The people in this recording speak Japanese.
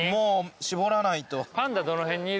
絞らないと。